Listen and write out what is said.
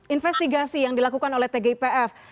investigasi yang dilakukan oleh tgipf